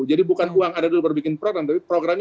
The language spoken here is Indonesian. jadi bukan uang ada dulu berbikin program